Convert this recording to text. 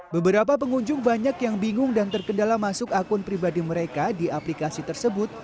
beberapa pengunjung banyak yang bingung dan terkendala masuk akun pribadi mereka di aplikasi tersebut